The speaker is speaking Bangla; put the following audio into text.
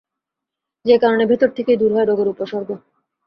যে কারণে ভেতর থেকেই দূর হয় রোগের উপসর্গ।